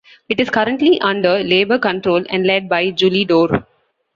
It is currently under Labour control and led by Julie Dore.